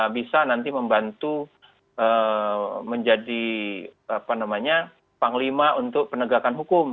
bisa nanti membantu menjadi panglima untuk penegakan hukum